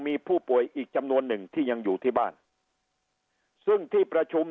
มีผู้ป่วยอีกจำนวนหนึ่งที่ยังอยู่ที่บ้านซึ่งที่ประชุม